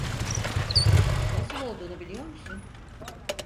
Nasıl olduğunu biliyor musun?